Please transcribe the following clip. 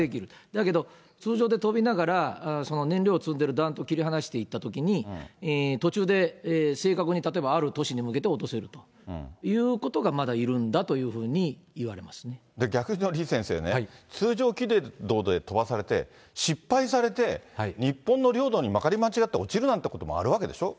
だけど通常で飛びながら、その燃料を積んでる弾頭を切り離していったときに、途中で正確に例えばある都市に向けて落とせるということがまだい逆に、李先生ね、通常軌道で飛ばされて、失敗されて、日本の領土にまかり間違って落ちるなんてこともあるわけでしょ。